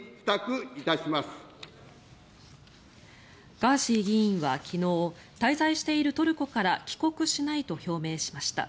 ガーシー議員は昨日滞在しているトルコから帰国しないと表明しました。